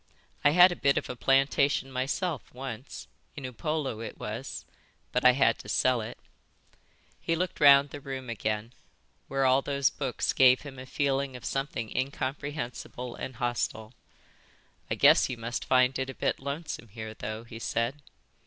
I had a bit of a plantation myself once, in Upolu it was, but I had to sell it." He looked round the room again, where all those books gave him a feeling of something incomprehensible and hostile. "I guess you must find it a bit lonesome here though," he said.